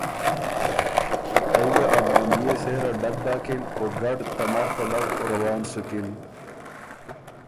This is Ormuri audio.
ائ ګه ا بامبيې سېره ډک داکِن او ګډ ته نر پلؤ روان سُکِن۔